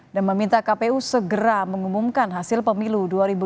dan meminta kpu segera mengumumkan hasil pemilu dua ribu dua puluh empat